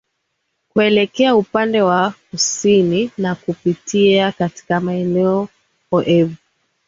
kuelekea upande wa kusini na kupitia katika maeneo oevu